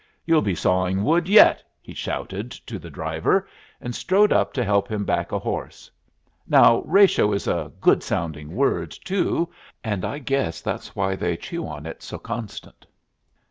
You'll be sawing wood yet!" he shouted to the driver, and strode up to help him back a horse. "Now ratio is a good sounding word too, and I guess that's why they chew on it so constant.